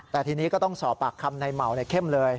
ในที่นี้ก็ต้องสอบปากคำในเมาแค่เข้มเลย